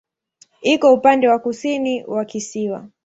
Iko upande wa kusini wa kisiwa.